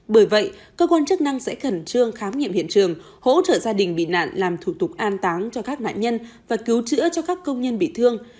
bởi vậy cơ quan chức năng sẽ khẩn trương khám nghiệm hiện trường hỗ trợ gia đình bị nạn làm thủ tục an táng cho các nạn nhân và cứu chữa cho các công nhân bị thương